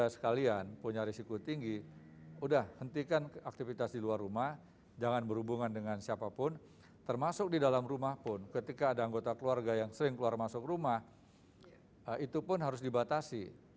saya sudah sampaikan juga kepada gubernur anies